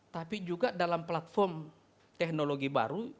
tapi juga dalam platform teknologi baru